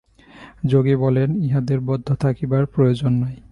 যোগী বলেন, ইহাতে বদ্ধ থাকিবার প্রয়োজন নাই।